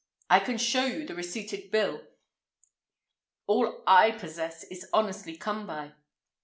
I can show you the receipted bill. All I possess is honestly come by.